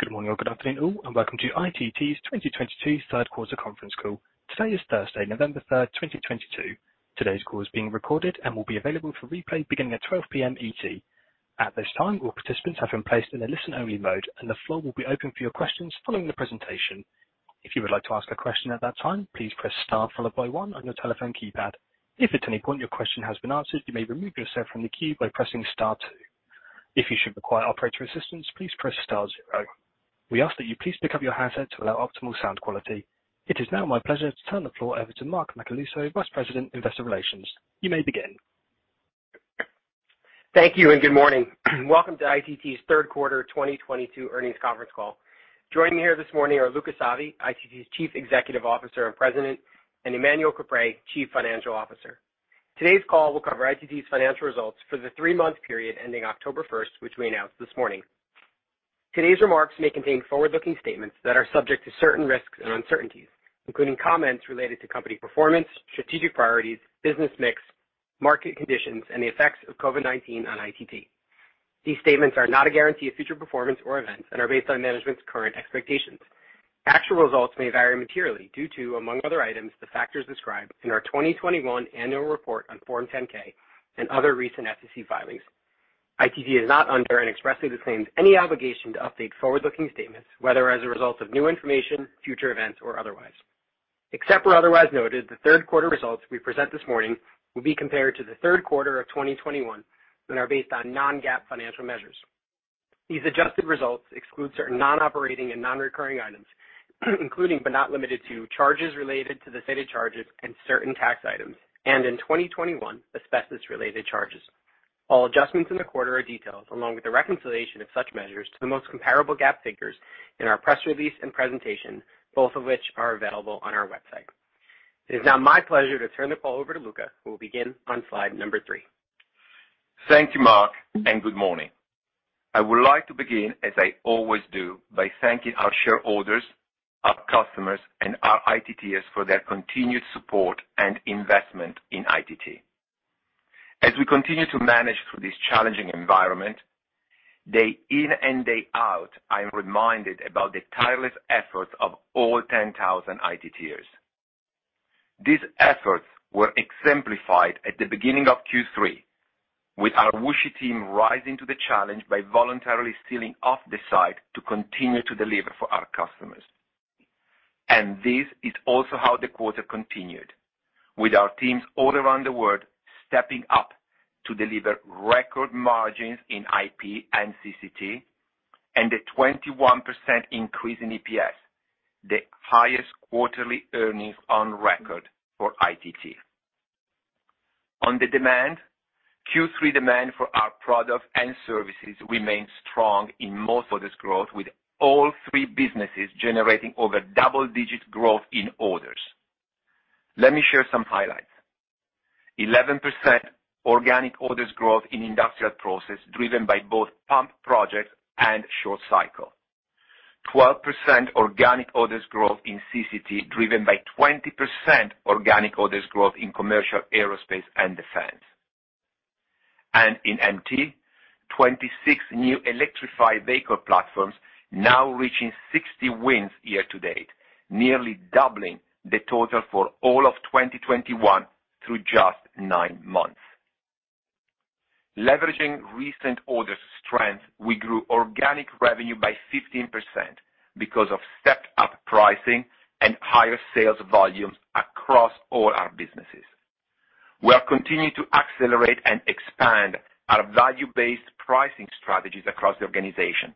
Good morning or good afternoon all, and welcome to ITT's 2022 third quarter conference call. Today is Thursday, November 3, 2022. Today's call is being recorded and will be available for replay beginning at 12:00 P.M. ET. At this time, all participants have been placed in a listen-only mode, and the floor will be open for your questions following the presentation. If you would like to ask a question at that time, please press Star followed by one on your telephone keypad. If at any point your question has been answered, you may remove yourself from the queue by pressing Star two. If you should require operator assistance, please press Star zero. We ask that you please pick up your handset to allow optimal sound quality. It is now my pleasure to turn the floor over to Mark Macaluso, Vice President, Investor Relations. You may begin. Thank you and good morning. Welcome to ITT's third quarter 2022 earnings conference call. Joining me here this morning are Luca Savi, ITT's Chief Executive Officer and President, and Emmanuel Caprais, Chief Financial Officer. Today's call will cover ITT's financial results for the three-month period ending October 1, which we announced this morning. Today's remarks may contain forward-looking statements that are subject to certain risks and uncertainties, including comments related to company performance, strategic priorities, business mix, market conditions, and the effects of COVID-19 on ITT. These statements are not a guarantee of future performance or events and are based on management's current expectations. Actual results may vary materially due to, among other items, the factors described in our 2021 annual report on Form 10-K and other recent SEC filings. ITT is not under and expressly disclaims any obligation to update forward-looking statements, whether as a result of new information, future events or otherwise. Except where otherwise noted, the third quarter results we present this morning will be compared to the third quarter of 2021 and are based on non-GAAP financial measures. These adjusted results exclude certain non-operating and non-recurring items, including but not limited to charges related to the stated charges, and certain tax items and in 2021, asbestos-related charges. All adjustments in the quarter are detailed along with the reconciliation of such measures to the most comparable GAAP figures, in our press release and presentation, both of which are available on our website. It is now my pleasure to turn the call over to Luca, who will begin on slide number three. Thank you, Mark, and good morning. I would like to begin, as I always do, by thanking our shareholders, our customers, and our ITTers for their continued support and investment in ITT. As we continue to manage through this challenging environment, day in and day out, I am reminded about the tireless efforts of all 10,000 ITTers. These efforts, were exemplified at the beginning of Q3, with our Wuxi team rising to the challenge by voluntarily sealing off the site to continue to deliver for our customers. This is also how the quarter continued with our teams all around the world stepping up, to deliver record margins in IP and CCT and a 21% increase in EPS, the highest quarterly earnings on record for ITT. On the demand, Q3 demand for our products and services remained strong in most orders growth, with all three businesses generating over double-digit growth in orders. Let me share some highlights. 11% organic orders growth in Industrial Process driven by both pump projects and short cycle. 12% organic orders growth in CCT driven by 20% organic orders growth in commercial aerospace and defense. In MT, 26 new electrified vehicle platforms, now reaching 60 wins year to date, nearly doubling the total for all of 2021 through just nine months. Leveraging recent orders strength, we grew organic revenue by 15%, because of stepped up pricing and higher sales volumes across all our businesses. We are continuing to accelerate and expand our value-based pricing strategies across the organization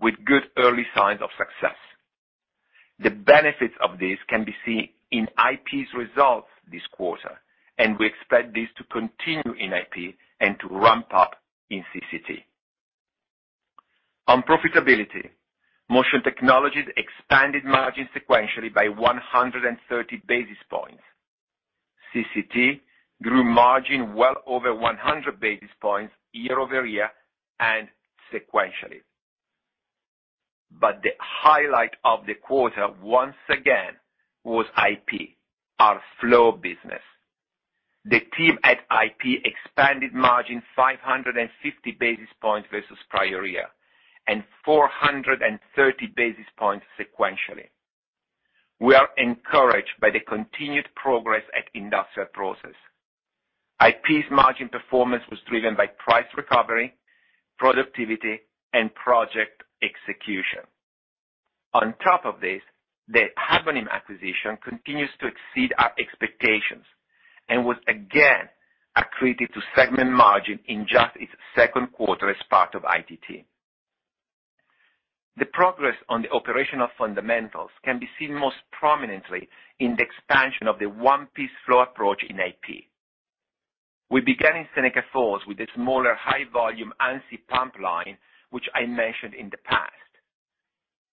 with good early signs of success. The benefits of this can be seen in IP's results this quarter, and we expect this to continue in IP and to ramp up in CCT. On profitability, Motion Technologies expanded margin sequentially by 130 basis points. CCT grew margin well over 100 basis points year-over-year and sequentially. The highlight of the quarter once again was IP, our flow business. The team at IP expanded margin 550 basis points versus prior year and 430 basis points sequentially. We are encouraged by the continued progress at Industrial Process. IP's margin performance was driven by price recovery, productivity, and project execution. On top of this, the Habonim acquisition continues to exceed our expectations and was again, accretive to segment margin in just its second quarter as part of ITT. The progress on the operational fundamentals can be seen most prominently in the expansion of the one-piece flow approach in IP. We began in Seneca Falls with the smaller high-volume ANSI pump line, which I mentioned in the past,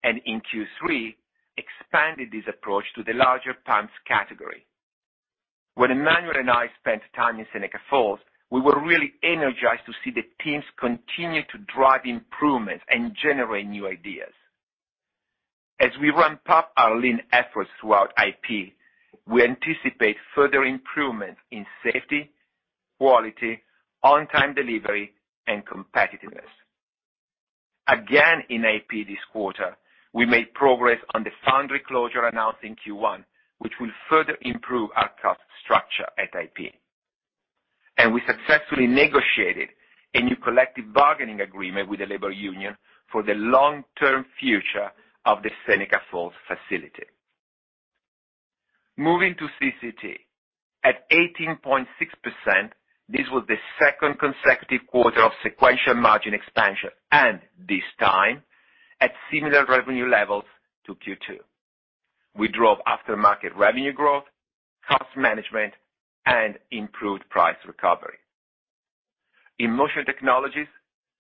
and in Q3 expanded this approach to the larger pumps category. When Emmanuel and I spent time in Seneca Falls, we were really energized to see the teams continue to drive improvements and generate new ideas. As we ramp up our lean efforts throughout IP, we anticipate further improvement in safety, quality, on-time delivery, and competitiveness. Again, in IP this quarter, we made progress on the foundry closure announced in Q1, which will further improve our cost structure at IP. We successfully negotiated a new collective bargaining agreement with the labor union for the long-term future of the Seneca Falls facility. Moving to CCT. At 18.6%, this was the second consecutive quarter of sequential margin expansion, and this time at similar revenue levels to Q2. We drove aftermarket revenue growth, cost management, and improved price recovery. In Motion Technologies,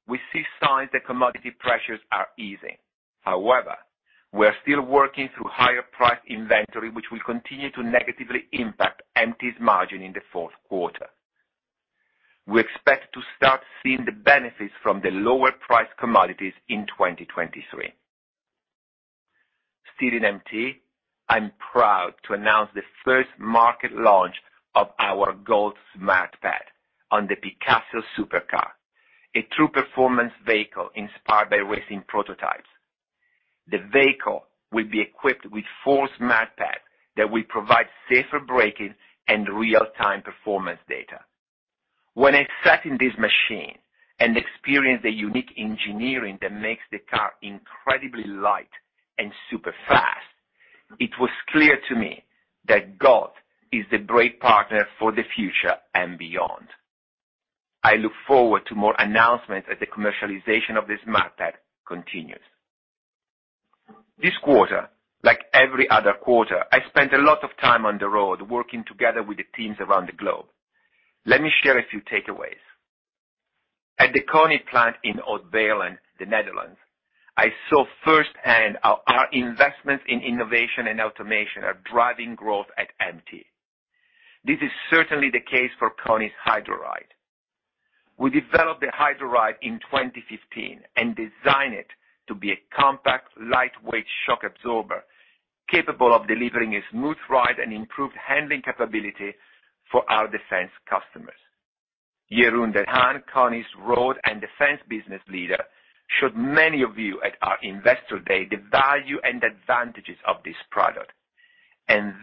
we see signs that commodity pressures are easing. However, we are still working through higher price inventory, which will continue to negatively impact MT's margin in the fourth quarter. We expect to start seeing the benefits from the lower price commodities in 2023. Still in MT, I'm proud to announce the first market launch of our GALT SmartPAD on the Picasso supercar, a true performance vehicle inspired by racing prototypes. The vehicle will be equipped with four SmartPADs that will provide safer braking and real-time performance data. When I sat in this machine, and experienced the unique engineering that makes the car incredibly light and super fast, it was clear to me, that GALT is the brake partner for the future and beyond. I look forward to more announcements as the commercialization of the SmartPAD continues. This quarter, like every other quarter, I spent a lot of time on the road working together with the teams around the globe. Let me share a few takeaways. At the KONI plant in Oud-Beijerland, the Netherlands, I saw firsthand how our investments in innovation and automation are driving growth at MT. This is certainly the case for KONI's HYDRORIDE. We developed the HYDRORIDE in 2015 and designed it to be a compact, lightweight shock absorber capable of delivering a smooth ride and improved handling capability for our defense customers. Jeroen den Haan, KONI's Road and Defense Business Leader, showed many of you at our Investor Day the value and advantages of this product.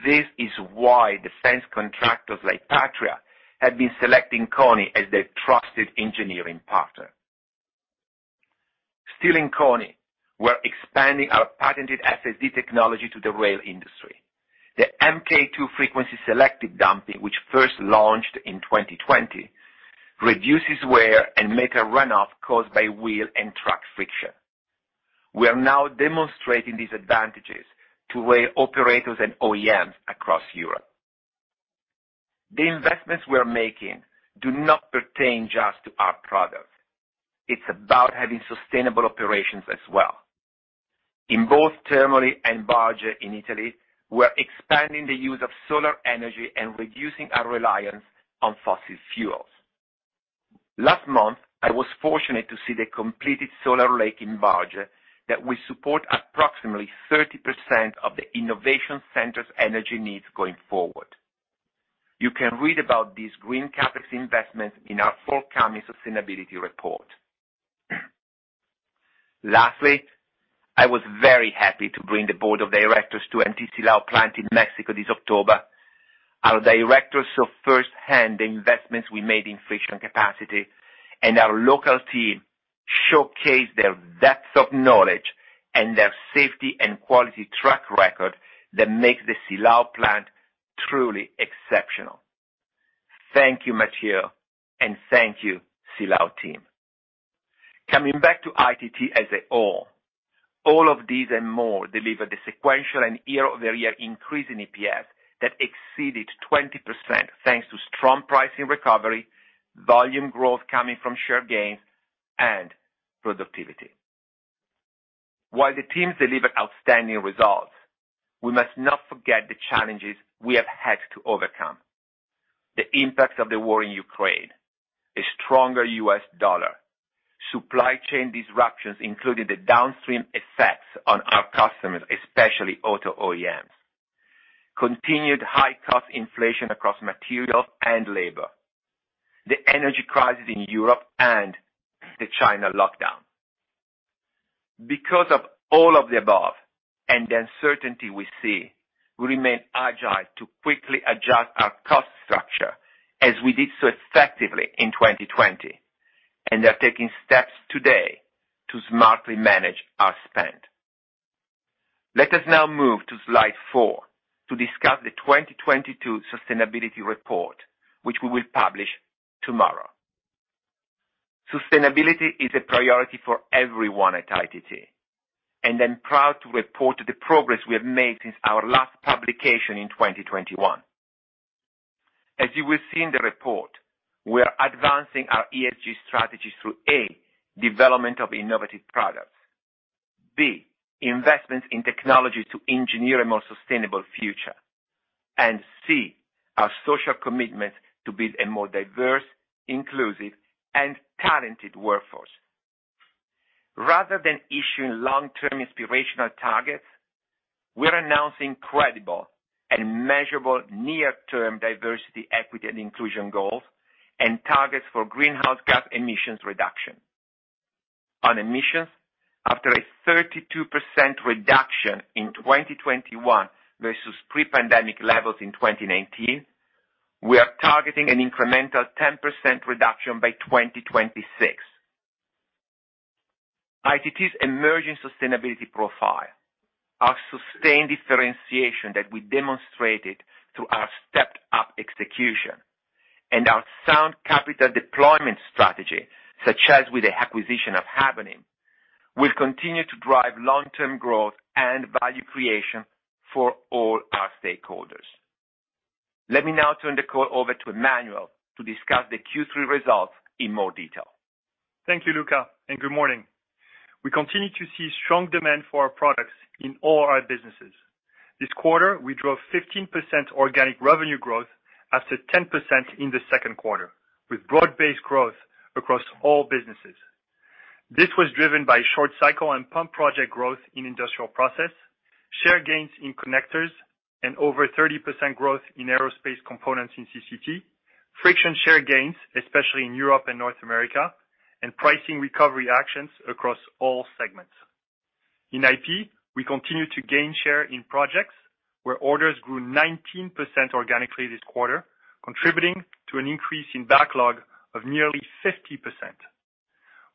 This is why defense contractors like Patria have been selecting KONI as their trusted engineering partner. Still in KONI, we're expanding our patented FSD technology to the rail industry. The MK2 frequency selective damping, which first launched in 2020, reduces wear and metal runoff caused by wheel and track friction. We are now demonstrating these advantages, to rail operators and OEMs across Europe. The investments we're making do not pertain just to our products. It's about having sustainable operations as well. In both Termoli and Barge in Italy, we're expanding the use of solar energy and reducing our reliance on fossil fuels. Last month, I was fortunate to see the completed solar lake in Barge that will support approximately 30% of the innovation center's energy needs going forward. You can read about these green campus investments in our forthcoming sustainability report. Lastly, I was very happy to bring the board of directors to ITT Silao plant in Mexico this October. Our directors saw firsthand the investments we made in friction capacity, and our local team showcased their depths of knowledge and their safety and quality track record that makes the Silao plant truly exceptional. Thank you, Mateo, and thank you, Silao team. Coming back to ITT as a whole, all of these and more delivered a sequential and year-over-year increase in EPS that exceeded 20%, thanks to strong pricing recovery, volume growth coming from share gains, and productivity. While the teams delivered outstanding results, we must not forget the challenges we have had to overcome. The impact of the war in Ukraine, a stronger U.S. dollar, supply chain disruptions, including the downstream effects on our customers, especially auto OEMs, continued high-cost inflation across materials and labor, the energy crisis in Europe, and the China lockdown. Because of all of the above and the uncertainty we see, we remain agile to quickly adjust our cost structure as we did so effectively in 2020, and are taking steps today to smartly manage our spend. Let us now move to slide four to discuss the 2022 sustainability report, which we will publish tomorrow. Sustainability is a priority for everyone at ITT, and I'm proud to report the progress we have made since our last publication in 2021. As you will see in the report, we are advancing our ESG strategy through A, development of innovative products, B, investments in technology to engineer a more sustainable future. And C our social commitment to build a more diverse, inclusive, and talented workforce. Rather than issuing long-term inspirational targets, we're announcing credible and measurable near-term diversity, equity, and inclusion goals and targets for greenhouse gas emissions reduction. On emissions, after a 32% reduction in 2021 versus pre-pandemic levels in 2019, we are targeting an incremental 10% reduction by 2026. ITT's emerging sustainability profile, our sustained differentiation that we demonstrated through our stepped-up execution, and our sound capital deployment strategy, such as with the acquisition of Habonim, will continue to drive long-term growth and value creation, for all our stakeholders. Let me now turn the call over to Emmanuel to discuss the Q3 results in more detail. Thank you, Luca, and good morning. We continue to see strong demand for our products in all our businesses. This quarter, we drove 15% organic revenue growth after 10% in the second quarter, with broad-based growth across all businesses. This was driven by short cycle and pump project growth in Industrial Process, share gains in connectors, and over 30% growth in aerospace components in CCT, Friction share gains, especially in Europe and North America, and pricing recovery actions across all segments. In IP, we continue to gain share in projects, where orders grew 19% organically this quarter, contributing to an increase in backlog of nearly 50%.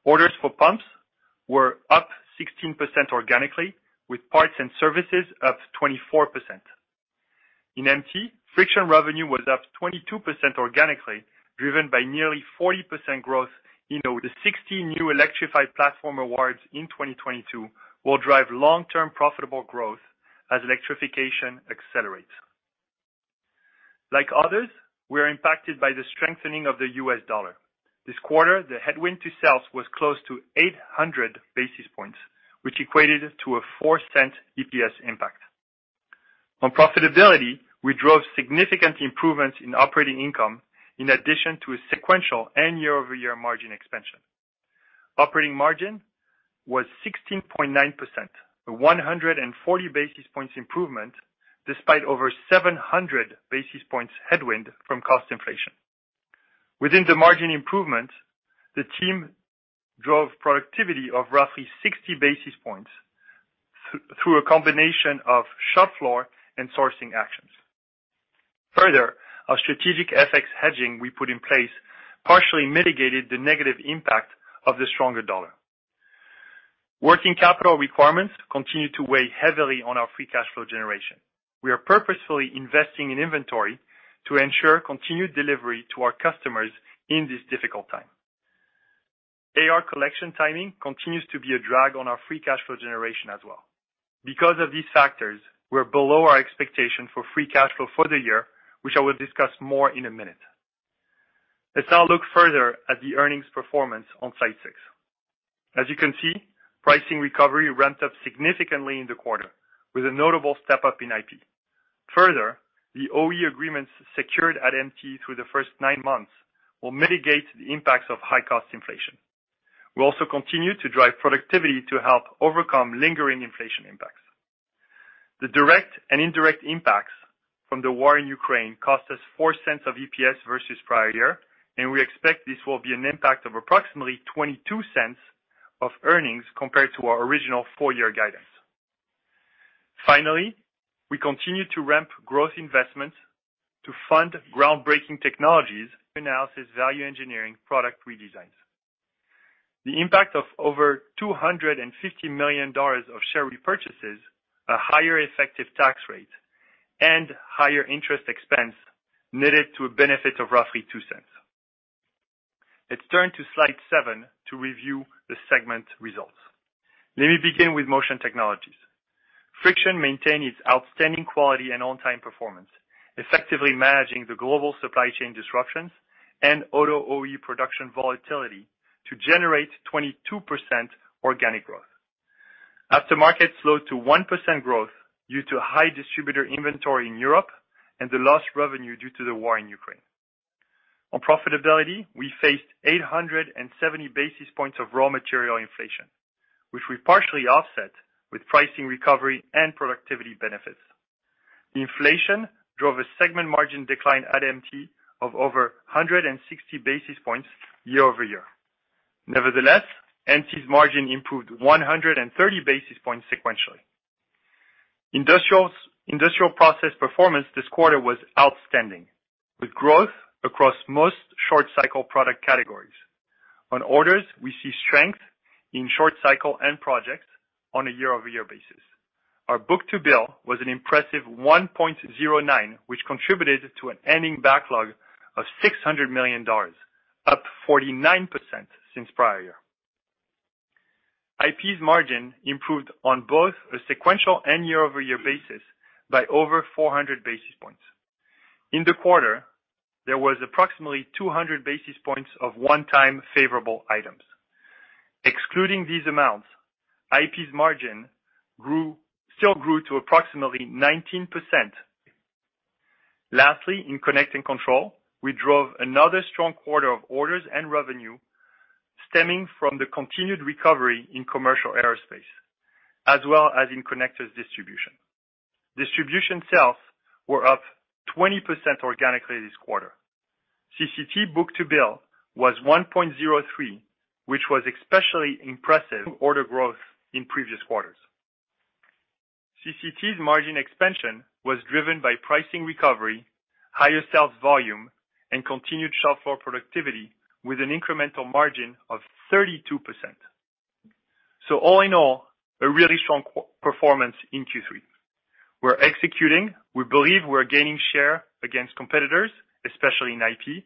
Orders for pumps were up 16% organically, with parts and services up 24%. In MT, friction revenue was up 22% organically, driven by nearly 40% growth in the 60 new electrified platform awards in 2022, will drive long-term profitable growth as electrification accelerates. Like others, we are impacted by the strengthening of the U.S. dollar. This quarter, the headwind to sales was close to 800 basis points, which equated to a $0.04 EPS impact. On profitability, we drove significant improvements in operating income, in addition to a sequential and year-over-year margin expansion. Operating margin was 16.9%, a 140 basis points improvement, despite over 700 basis points headwind from cost inflation. Within the margin improvement, the team drove productivity of roughly 60 basis points, through a combination of shop floor and sourcing actions. Further, our strategic FX hedging we put in place partially mitigated the negative impact of the stronger dollar. Working capital requirements continue to weigh heavily on our free cash flow generation. We are purposefully investing in inventory to ensure continued delivery to our customers in this difficult time. AR collection timing continues to be a drag on our free cash flow generation as well. Because of these factors, we're below our expectation for free cash flow for the year, which I will discuss more in a minute. Let's now look further at the earnings performance on slide six. As you can see, pricing recovery ramped up significantly in the quarter, with a notable step-up in IP. Further, the OE agreements secured at MT through the first nine months, will mitigate the impacts of high-cost inflation. We also continue to drive productivity to help overcome lingering inflation impacts. The direct and indirect impacts from the war in Ukraine cost us $0.04 of EPS versus prior year, and we expect this will be an impact of approximately $0.22 of earnings compared to our original full-year guidance. Finally, we continue to ramp growth investments, to fund groundbreaking technologies, analysis, value engineering, product redesigns. The impact of over $250 million of share repurchases, a higher effective tax rate, and higher interest expense, netted to a benefit of roughly $0.02. Let's turn to slide seven to review the segment results. Let me begin with Motion Technologies. Friction maintained its outstanding quality and on-time performance, effectively managing the global supply chain disruptions and auto OE production volatility to generate 22% organic growth. Aftermarket slowed to 1% growth, due to high distributor inventory in Europe and the lost revenue due to the war in Ukraine. On profitability, we faced 870 basis points of raw material inflation, which we partially offset with pricing recovery and productivity benefits. Inflation drove a segment margin decline at MT of over 160 basis points year-over-year. Nevertheless, MT's margin improved 130 basis points sequentially. Industrial Process performance this quarter was outstanding, with growth across most short-cycle product categories. On orders, we see strength in short-cycle and projects on a year-over-year basis. Our book-to-bill was an impressive 1.09, which contributed to an ending backlog of $600 million, up 49% since prior year. IP's margin improved on both a sequential and year-over-year basis by over 400 basis points. In the quarter, there was approximately 200 basis points of one-time favorable items. Excluding these amounts, IP's margin still grew to approximately 19%. Lastly, in Connect and Control, we drove another strong quarter of orders and revenue, stemming from the continued recovery in commercial aerospace, as well as in connectors distribution. Distribution sales were up 20% organically this quarter. CCT book-to-bill was 1.03, which was especially impressive order growth in previous quarters. CCT's margin expansion was driven by pricing recovery, higher sales volume, and continued shop floor productivity with an incremental margin of 32%. All in all, a really strong quarter performance in Q3. We're executing, we believe we're gaining share against competitors, especially in IP,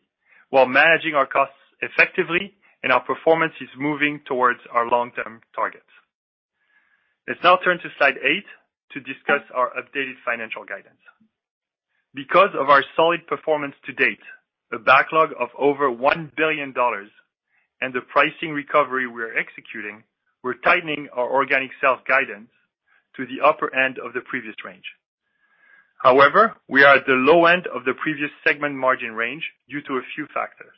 while managing our costs effectively, and our performance is moving towards our long-term targets. Let's now turn to slide eight to discuss our updated financial guidance. Because of our solid performance to date, a backlog of over $1 billion and the pricing recovery we are executing, we're tightening our organic sales guidance, to the upper end of the previous range. However, we are at the low end of the previous segment margin range due to a few factors,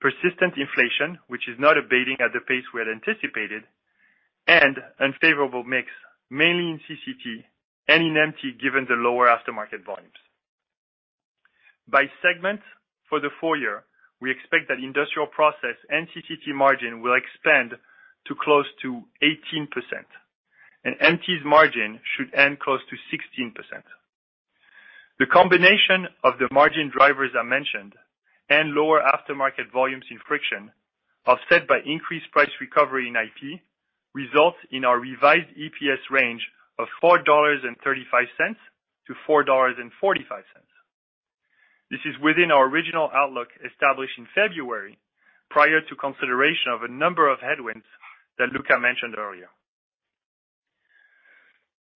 persistent inflation, which is not abating at the pace we had anticipated, and unfavorable mix, mainly in CCT and in MT, given the lower aftermarket volumes. By segment for the full year, we expect that Industrial Process and CCT margin will expand to close to 18%, and MT's margin should end close to 16%. The combination of the margin drivers I mentioned and lower aftermarket volumes in friction, offset by increased price recovery in IP, results in our revised EPS range of $4.35-$4.45. This is within our original outlook established in February, prior to consideration of a number of headwinds that Luca mentioned earlier.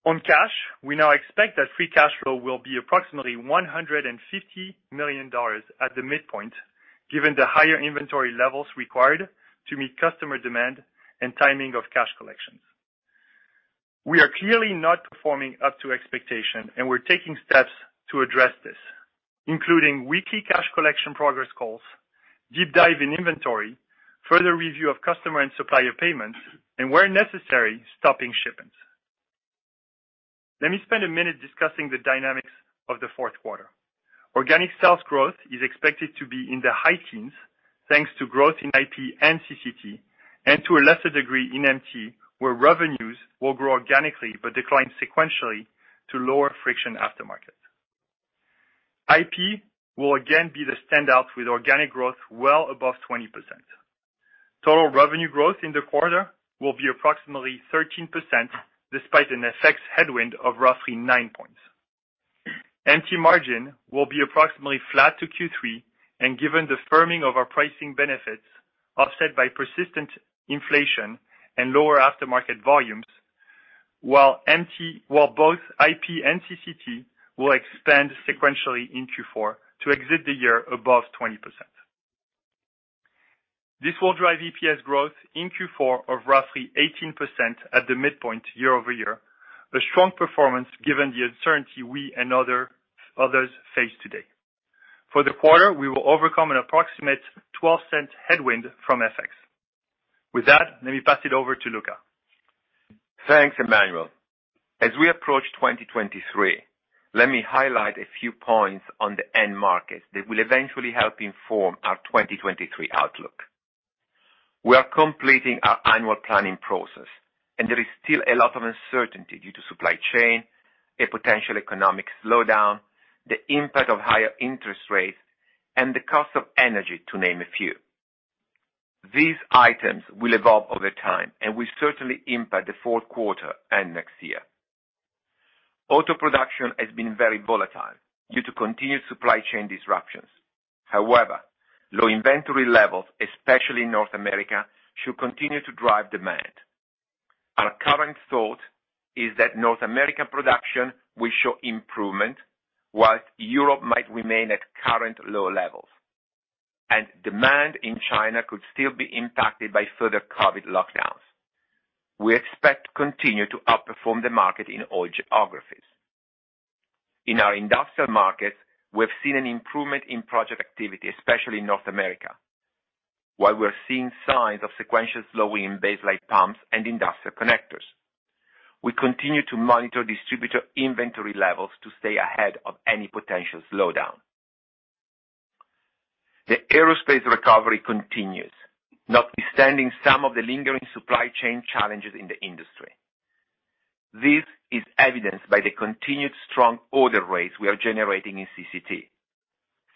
On cash, we now expect that free cash flow will be approximately $150 million at the midpoint, given the higher inventory levels required to meet customer demand and timing of cash collections. We are clearly not performing up to expectation, and we're taking steps to address this, including weekly cash collection progress calls, deep dive in inventory, further review of customer and supplier payments, and where necessary, stopping shipments. Let me spend a minute discussing the dynamics of the fourth quarter. Organic sales growth is expected to be in the high teens, thanks to growth in IP and CCT, and to a lesser degree in MT, where revenues will grow organically but decline sequentially to lower friction aftermarket. IP will again be the standout with organic growth well above 20%. Total revenue growth in the quarter will be approximately 13%, despite an FX headwind of roughly nine points. MT margin will be approximately flat to Q3 and given the firming of our pricing benefits, offset by persistent inflation and lower aftermarket volumes, while both IP and CCT will expand sequentially in Q4 to exit the year above 20%. This will drive EPS growth in Q4 of roughly 18% at the midpoint year-over-year, a strong performance given the uncertainty we and others face today. For the quarter, we will overcome an approximate $0.12 headwind from FX. With that, let me pass it over to Luca. Thanks, Emmanuel. As we approach 2023, let me highlight a few points on the end markets that will eventually help inform our 2023 outlook. We are completing our annual planning process, and there is still a lot of uncertainty due to supply chain, a potential economic slowdown, the impact of higher interest rates, and the cost of energy to name a few. These items will evolve over time and will certainly impact the fourth quarter and next year. Auto production has been very volatile due to continued supply chain disruptions. However, low inventory levels, especially in North America, should continue to drive demand. Our current thought is that North American production will show improvement, while Europe might remain at current low levels. Demand in China could still be impacted by further COVID lockdowns. We expect to continue to outperform the market in all geographies. In our industrial markets, we have seen an improvement in project activity, especially in North America, while we are seeing signs of sequential slowing in baseline pumps and industrial connectors. We continue to monitor distributor inventory levels to stay ahead of any potential slowdown. The aerospace recovery continues, notwithstanding some of the lingering supply chain challenges in the industry. This is evidenced by the continued strong order rates we are generating in CCT.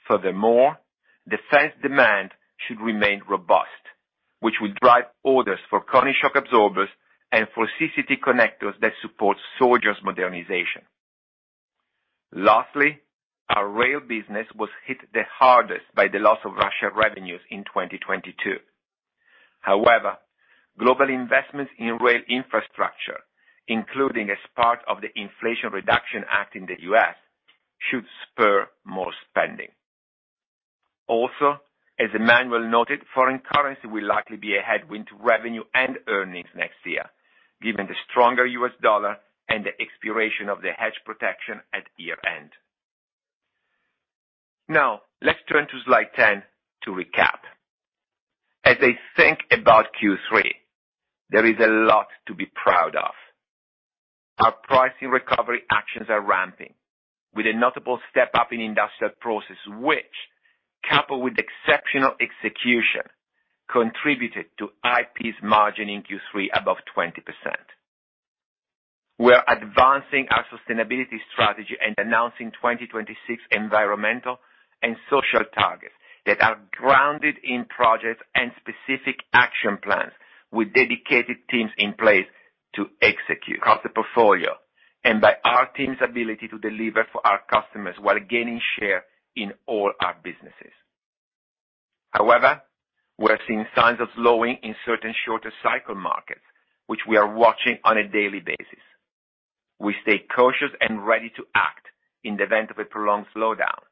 Furthermore, defense demand should remain robust, which will drive orders for cone shock absorbers and for CCT connectors that support soldiers' modernization. Lastly, our rail business was hit the hardest by the loss of Russia revenues in 2022. However, global investments in rail infrastructure, including as part of the Inflation Reduction Act in the U.S., should spur more spending. Also, as Emmanuel noted, foreign currency will likely be a headwind to revenue and earnings next year, given the stronger US dollar and the expiration of the hedge protection at year-end. Now let's turn to slide 10 to recap. As I think about Q3, there is a lot to be proud of. Our pricing recovery actions are ramping, with a notable step up in industrial process which, coupled with exceptional execution, contributed to IP's margin in Q3 above 20%. We're advancing our sustainability strategy and announcing 2026 environmental and social targets, that are grounded in projects and specific action plans with dedicated teams in place to execute across the portfolio and by our team's ability to deliver for our customers while gaining share in all our businesses. However, we're seeing signs of slowing in certain shorter cycle markets, which we are watching on a daily basis. We stay cautious and ready to act in the event of a prolonged slowdown,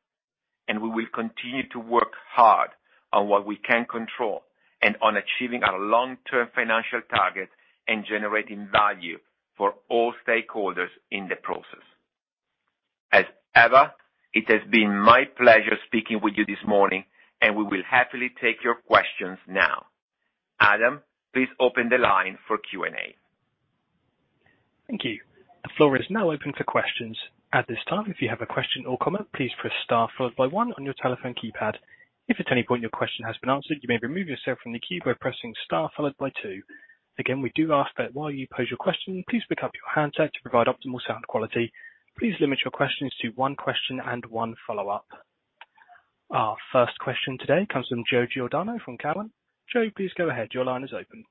and we will continue to work hard on what we can control and on achieving our long-term financial targets and generating value for all stakeholders in the process. As ever, it has been my pleasure speaking with you this morning, and we will happily take your questions now. Adam, please open the line for Q&A. Thank you. The floor is now open for questions. At this time, if you have a question or comment, please press star followed by one on your telephone keypad. If at any point your question has been answered, you may remove yourself from the queue by pressing star followed by two. Again, we do ask that while you pose your question, please pick up your handset to provide optimal sound quality. Please limit your questions to one question and one follow-up. Our first question today comes from Joe Giordano from Cowen. Joe, please go ahead. Your line is open.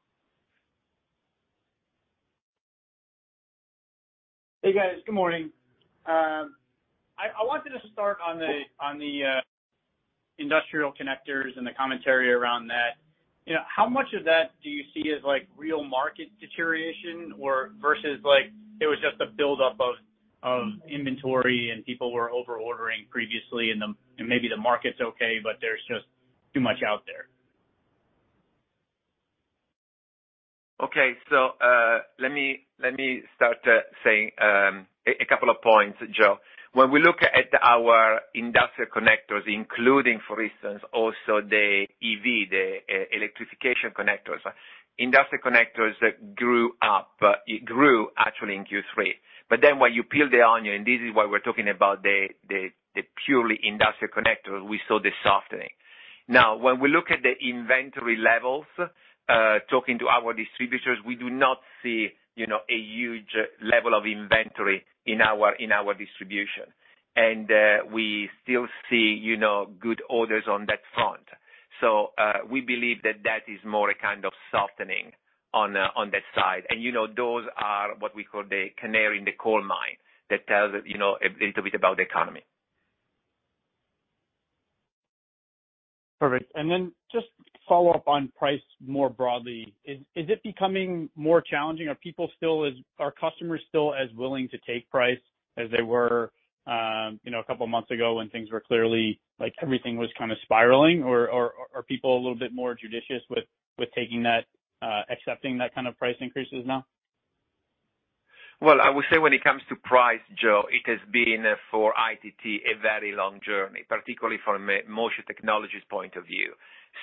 Hey, guys. Good morning. I wanted to start on the industrial connectors and the commentary around that. You know, how much of that do you see as, like, real market deterioration or versus, like, it was just a buildup of inventory, and people were over-ordering previously and maybe the market's okay, but there's just too much out there. Okay. Let me start saying a couple of points, Joe. When we look at our industrial connectors including, for instance, also the EV, the electrification connectors. Industrial connectors grew. It grew actually in Q3. Then when you peel the onion, and this is why we're talking about the purely industrial connectors, we saw the softening. Now, when we look at the inventory levels, talking to our distributors, we do not see, you know, a huge level of inventory in our distribution. We still see, you know, good orders on that front. We believe that is more a kind of softening on that side. You know, those are what we call the canary in the coal mine that tells, you know, a little bit about the economy. Perfect. Just to follow up on price more broadly, is it becoming more challenging? Are customers still as willing to take price as they were, you know, a couple of months ago when things were clearly like, everything was kind of spiraling? Or are people a little bit more judicious with taking that, accepting that kind of price increases now? Well, I would say when it comes to price, Joe, it has been for ITT a very long journey, particularly from a Motion Technologies point of view.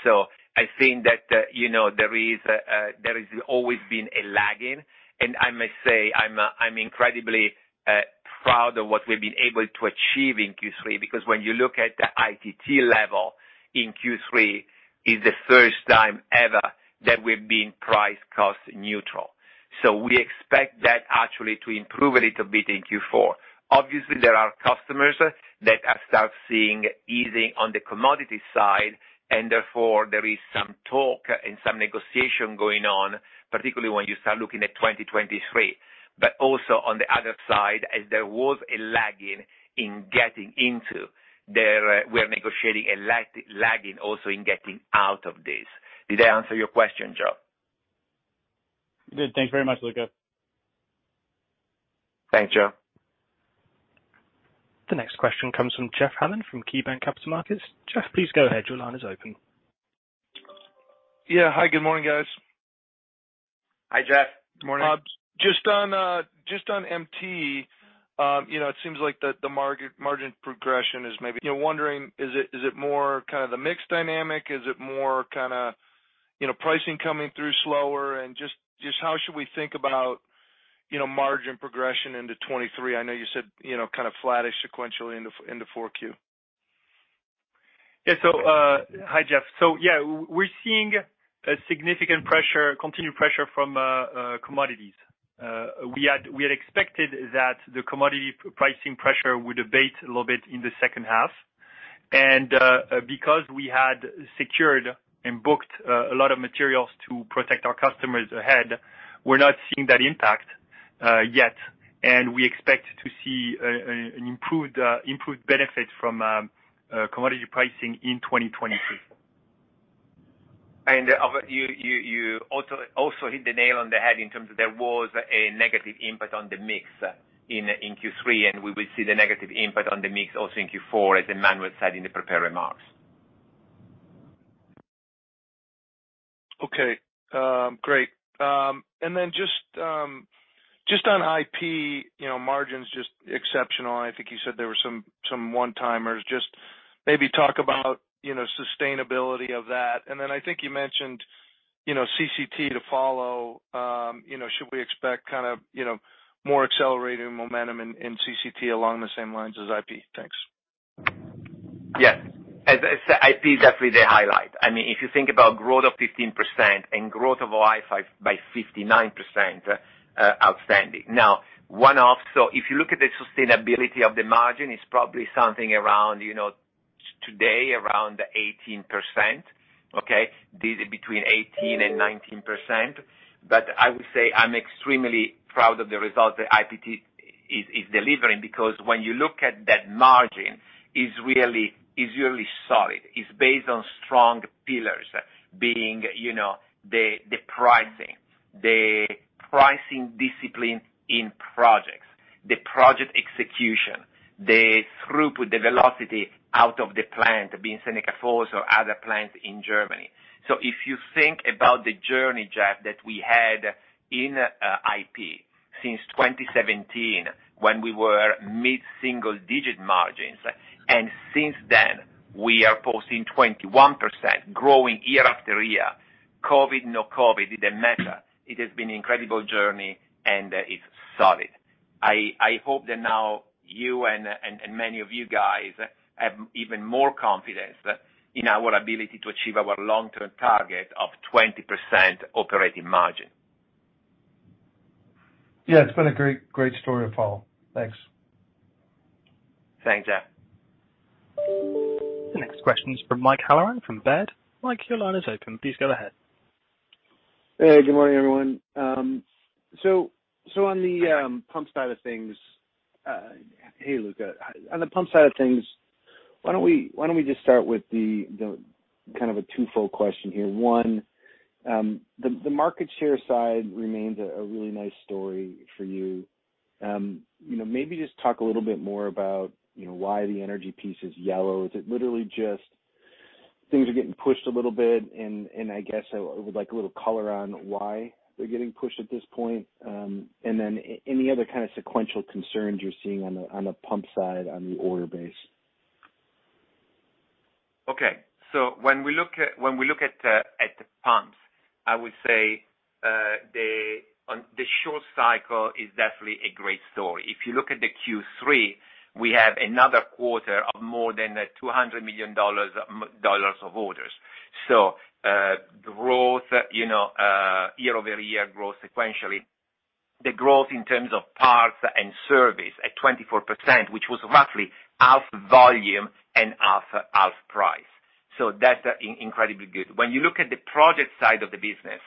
I think that you know, there has always been a lag in. I must say, I'm incredibly proud of what we've been able to achieve in Q3, because when you look at the ITT level in Q3, is the first time ever that we've been price cost neutral. We expect that actually to improve a little bit in Q4. Obviously, there are customers that are starting to see easing on the commodity side, and therefore there is some talk and some negotiation going on, particularly when you start looking at 2023. Also on the other side, as there was a lag in getting into their. We're negotiating a lag, lagging also in getting out of this. Did I answer your question, Joe? You did. Thank you very much, Luca. Thanks, Joe. The next question comes from Jeff Hammond from KeyBanc Capital Markets. Jeff, please go ahead. Your line is open. Yeah. Hi, good morning, guys. Hi, Jeff. Good morning. Just on MT, you know, it seems like the margin progression is maybe. You know, wondering, is it more kind of the mix dynamic? Is it more kinda, you know, pricing coming through slower? Just how should we think about, you know, margin progression into 2023? I know you said, you know, kind of flattish sequentially into Q4. Yeah. Hi, Jeff. We're seeing a significant pressure, continued pressure from commodities. We had expected that the commodity pricing pressure would abate a little bit in the second half. Because we had secured and booked a lot of materials to protect our customers ahead, we're not seeing that impact yet. We expect to see an improved benefit from commodity pricing in 2023. You also hit the nail on the head in terms of there was a negative impact on the mix in Q3, and we will see the negative impact on the mix also in Q4, as Emmanuel said in the prepared remarks. Okay. Great. Just on IP, you know, margins just exceptional. I think you said there were some one-timers. Just maybe talk about, you know, sustainability of that. I think you mentioned, you know, CCT to follow. You know, should we expect kind of, you know, more accelerating momentum in CCT along the same lines as IP? Thanks. Yes. As I said, IP is definitely the highlight. I mean, if you think about growth of 15% and growth of OI by 59%, outstanding. Now, one-off. If you look at the sustainability of the margin, it's probably something around, you know, today, around 18%. It's between 18% and 19%. I would say I'm extremely proud of the results that IP is delivering, because when you look at that margin, it is really solid. It's based on strong pillars, you know, the pricing, the pricing discipline in projects, the project execution, the throughput, the velocity out of the plant, being Seneca Falls or other plants in Germany. If you think about the journey, Jeff, that we had in IP since 2017 when we were mid-single-digit margins, and since then, we are posting 21% growing year after year. COVID, no COVID, it didn't matter. It has been an incredible journey, and it's solid. I hope that now you and many of you guys have even more confidence in our ability to achieve our long-term target of 20% operating margin. Yeah, it's been a great story to follow. Thanks. Thanks, Jeff. The next question is from Mike Halloran from Baird. Mike, your line is open. Please go ahead. Hey, good morning, everyone. On the pump side of things, hey, Luca. On the pump side of things, why don't we just start with the kind of a twofold question here. One, the market share side remains a really nice story for you. You know, maybe just talk a little bit more about, you know, why the energy piece is yellow. Is it literally just things are getting pushed a little bit, and I guess I would like a little color on why they're getting pushed at this point. And then any other kind of sequential concerns you're seeing on the pump side on the order base. When we look at the pumps, I would say on the short cycle is definitely a great story. If you look at the Q3, we have another quarter of more than $200 million of orders. Growth year-over-year, sequentially, the growth in terms of parts and service at 24%, which was roughly half volume and half price. That's incredibly good. When you look at the project side of the business,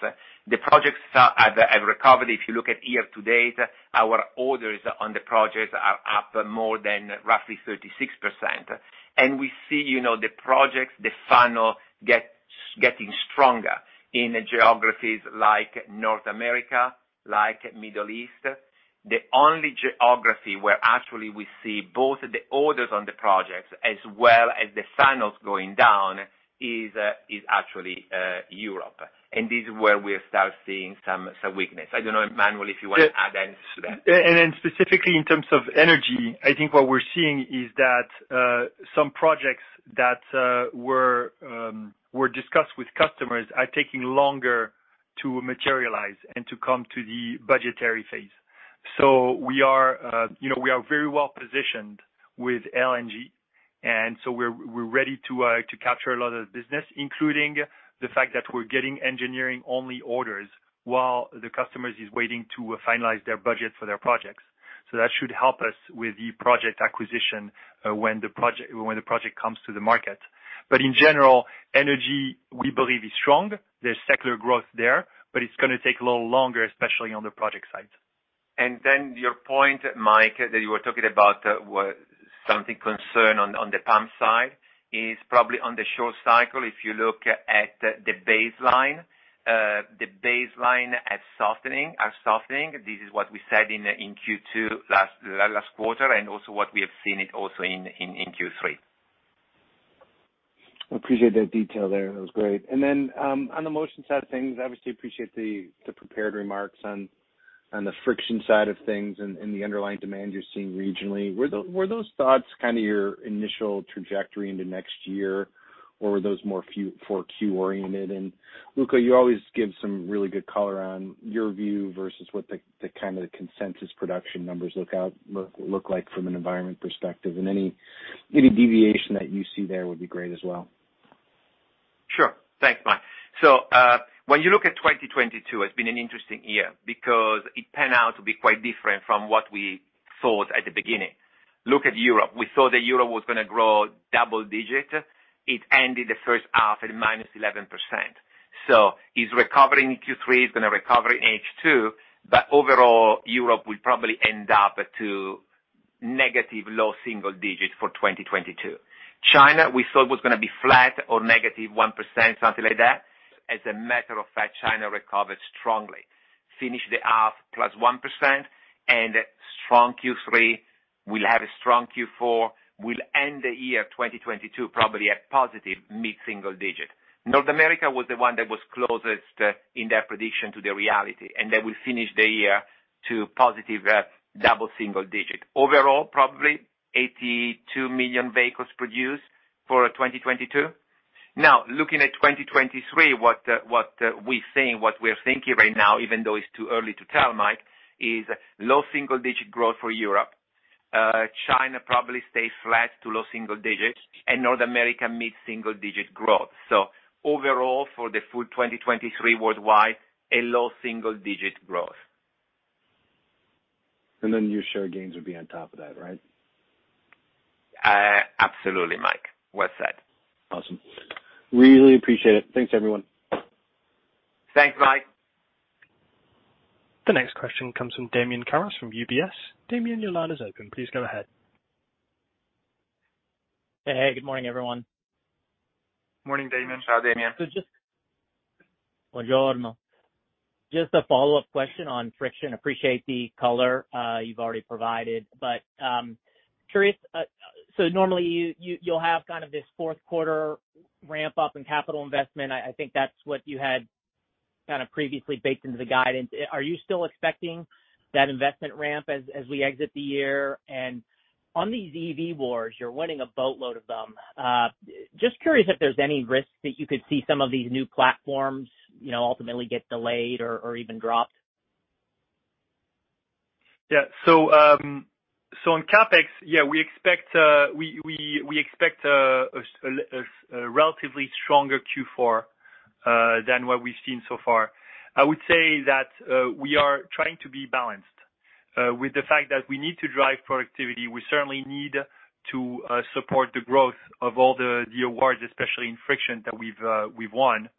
the projects have recovered. If you look at year-to-date, our orders on the projects are up more than roughly 36%. We see the projects funnel getting stronger, in geographies like North America, Middle East. The only geography where actually we see both the orders on the projects as well as the funnels going down, is actually Europe. This is where we are starting to see some weakness. I don't know, Emmanuel, if you wanna add anything to that. Yeah. Specifically in terms of energy, I think what we're seeing is that some projects that were discussed with customers are taking longer to materialize and to come to the budgetary phase. You know, we are very well positioned with LNG, and so we're ready to capture a lot of business, including the fact that we're getting engineering-only orders, while the customers is waiting to finalize their budget for their projects. That should help us with the project acquisition when the project comes to the market. In general, energy, we believe, is strong. There's secular growth there. It's gonna take a little longer, especially on the project side. Your point, Mike, that you were talking about some concern on the pump side is probably on the short cycle. If you look at the baseline is softening. This is what we said in Q2 last quarter, and also what we have seen also in Q3. Appreciate that detail there. That was great. On the motion side of things, obviously appreciate the prepared remarks on the friction side of things and the underlying demand you're seeing regionally. Were those thoughts kind of your initial trajectory into next year, or were those more Q oriented? Luca, you always give some really good color on your view versus what the kind of consensus production numbers look like from an environment perspective. Any deviation that you see there would be great as well. Sure. Thanks, Mike. When you look at 2022, it's been an interesting year because it panned out to be quite different from what we thought at the beginning. Look at Europe. We thought that Europe was gonna grow double-digit. It ended the first half at -11%. It's recovering in Q3, it's gonna recover in H2, but overall, Europe will probably end up to negative low single digits for 2022. China, we thought was gonna be flat or -1%, something like that. As a matter of fact, China recovered strongly. Finished the half +1% and strong Q3, will have a strong Q4, will end the year 2022 probably at positive mid-single digit. North America was the one that was closest in their prediction to the reality, and they will finish the year to positive double-digit. Overall, probably 82 million vehicles produced, for 2022. Now looking at 2023, what we're thinking right now, even though it's too early to tell, Mike, is low single-digit growth for Europe. China probably stays flat to low single digits, and North America mid-single digit growth. Overall, for the full 2023 worldwide, low single-digit growth. Your share gains would be on top of that, right? Absolutely, Mike. Well said. Awesome. Really appreciate it. Thanks, everyone. Thanks, Mike. The next question comes from Damian Karas from UBS. Damian, your line is open. Please go ahead. Hey. Good morning, everyone. Morning, Damian. Ciao, Damian. Buongiorno. Just a follow-up question on friction. Appreciate the color you've already provided. Curious, so normally you'll have kind of this fourth quarter ramp up in capital investment. I think that's what you had kinda previously baked into the guidance. Are you still expecting that investment ramp as we exit the year? On these EV wars, you're winning a boatload of them. Just curious if there's any risks that you could see some of these new platforms, you know, ultimately get delayed or even dropped. Yeah. On CapEx, yeah, we expect a relatively stronger Q4, than what we've seen so far. I would say that we are trying to be balanced, with the fact that we need to drive productivity. We certainly need to support the growth of all the awards, especially in friction that we've won.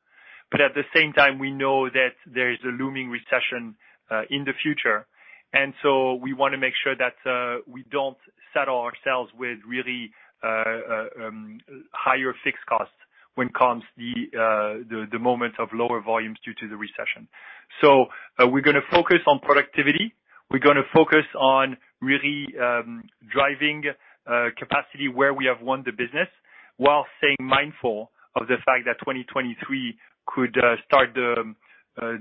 At the same time, we know that there is a looming recession in the future. We wanna make sure that we don't settle ourselves with really, higher fixed costs when comes the moment of lower volumes due to the recession. We're gonna focus on productivity. We're gonna focus on really driving capacity where we have won the business while staying mindful of the fact that 2023 could start the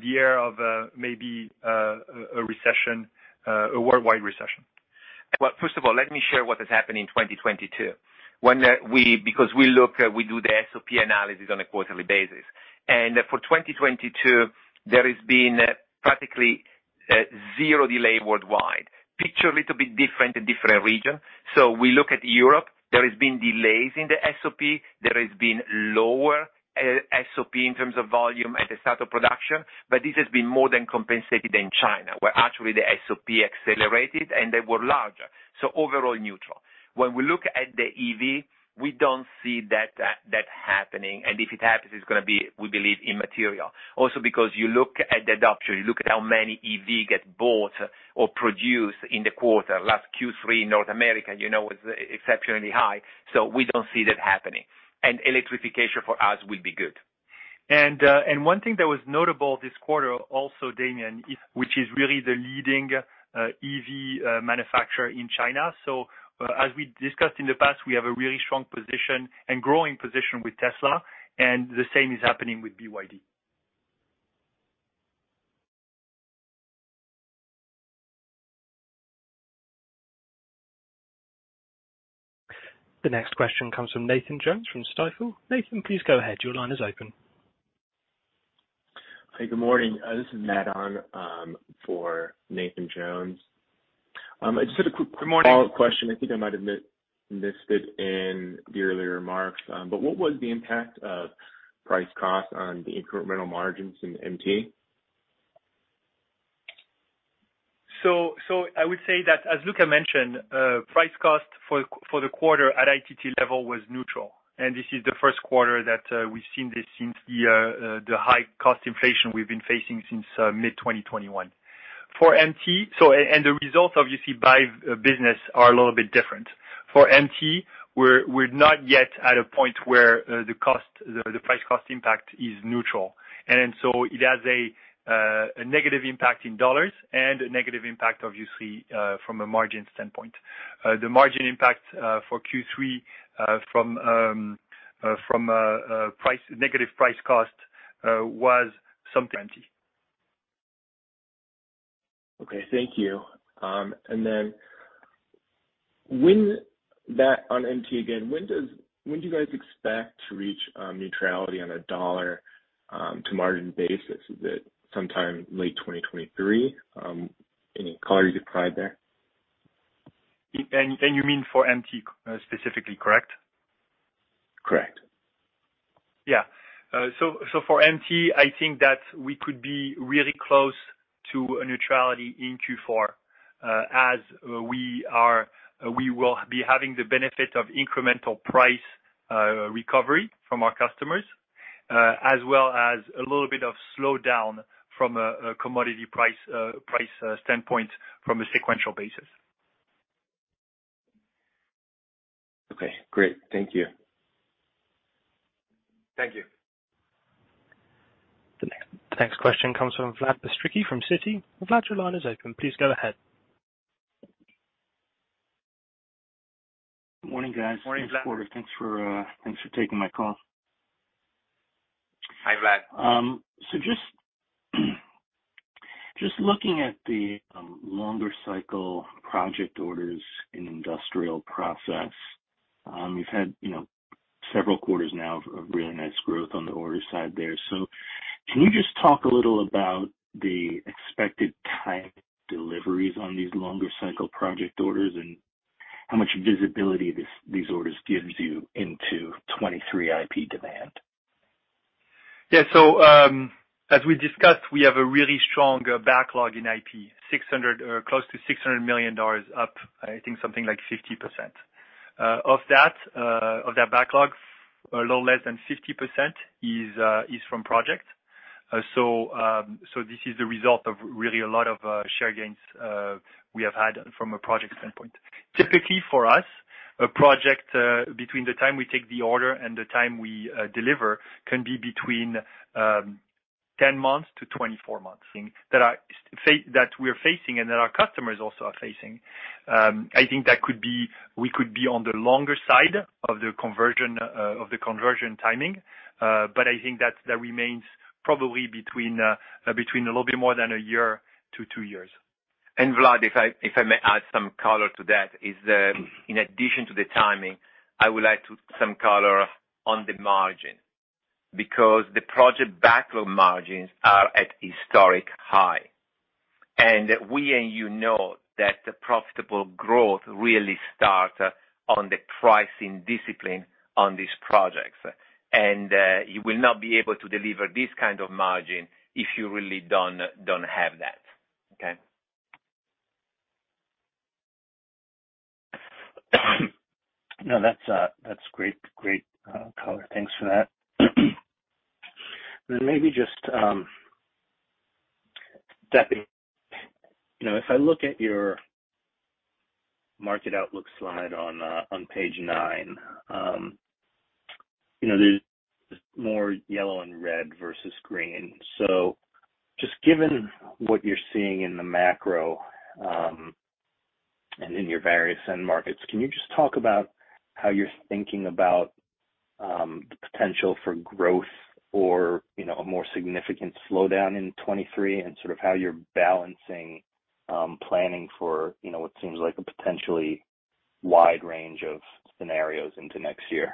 year of maybe a recession, a worldwide recession. Well, first of all, let me share what has happened in 2022. When we look, we do the SOP analysis on a quarterly basis, and for 2022, there has been practically zero delay worldwide. The picture is a little bit different in different regions. We look at Europe, there has been delays in the SOP. There has been lower SOP in terms of volume at the start of production, but this has been more than compensated in China, where actually the SOP accelerated and they were larger, so overall neutral. When we look at the EV, we don't see that happening. If it happens, it's gonna be, we believe, immaterial. Also because you look at the adoption, you look at how many EV get bought or produced in the quarter. Last Q3, North America, you know, was exceptionally high, so we don't see that happening. Electrification for us will be good. One thing that was notable this quarter also, Damian, is which is really the leading EV manufacturer in China. As we discussed in the past, we have a really strong position and growing position with Tesla and the same is happening with BYD. The next question comes from Nathan Jones from Stifel. Nathan, please go ahead. Your line is open. Hey, good morning. This is Matt on for Nathan Jones. I just had a quick- Good morning. Follow-up question. I think I might have missed it in the earlier remarks. What was the impact of price cost on the incremental margins in MT? So, I would say that as Luca mentioned, price cost for the quarter at ITT level was neutral, and this is the first quarter that we've seen this since the high cost inflation we've been facing since mid-2021. The results obviously by business are a little bit different. For MT, we're not yet at a point where the price cost impact is neutral. It has a negative impact in dollars, and a negative impact obviously from a margin standpoint. The margin impact for Q3 from negative price cost was something empty. Okay. Thank you. Back on MT again. When do you guys expect to reach neutrality on a dollar to margin basis? Is it sometime late 2023? Any color you could provide there? You mean for MT, specifically, correct? Correct. For MT, I think that we could be really close to a neutrality in Q4, as we will be having the benefit of incremental price recovery from our customers, as well as a little bit of slowdown from a commodity price standpoint from a sequential basis. Okay, great. Thank you. Thank you. The next question comes from Vlad Bystricky from Citi. Vlad, your line is open. Please go ahead. Morning, guys. Morning, Vlad. Thanks for taking my call. Hi, Vlad. Just looking at the longer cycle project orders in Industrial Process, you've had, you know, several quarters now of really nice growth on the order side there. Can you just talk a little about the expected time deliveries on these longer cycle project orders, and how much visibility these orders gives you into 2023 IP demand? As we discussed, we have a really strong backlog in IP, $600 million or close to $600 million up, I think something like 50%. Of that backlog, a little less than 50% is from project. This is the result of really a lot of share gains, we have had from a project standpoint. Typically, for us, a project between the time we take the order and the time we deliver can be between 10 months to 24 months. Things that we're facing and that our customers also are facing. I think that could be. We could be on the longer side of the conversion timing, but I think that remains probably between a little bit more than a year to two years. Vlad, if I may add some color to that, in addition to the timing, I would like to add some color on the margin. Because the project backlog margins are at historic high. We and you know that the profitable growth really start on the pricing discipline on these projects. You will not be able to deliver this kind of margin if you really don't have that. Okay? No, that's great color. Thanks for that. Maybe just, you know, if I look at your market outlook slide on page nine, you know, there's more yellow and red versus green. Just given what you're seeing in the macro, and in your various end markets, can you just talk about how you're thinking about the potential for growth or, you know, a more significant slowdown in 2023 and sort of how you're balancing planning for, you know, what seems like a potentially wide range of scenarios into next year?